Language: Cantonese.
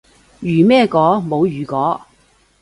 如咩果？冇如果